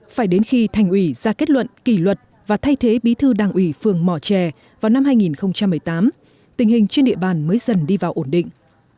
phải đến khi thành ủy ra kết luận kỷ luật và thay thế bí thư đảng ủy phường mò trè vào năm hai nghìn một mươi tám tình hình trên địa bàn mới dần đi vào ổn định